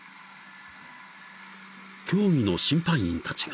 ［競技の審判員たちが］